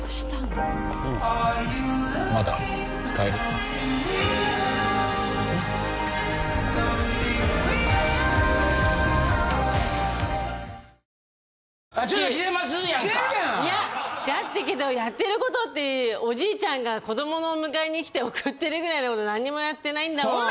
だってけどやってる事っておじいちゃんが子どものお迎えに来て送ってるぐらい何もやってないんだもん。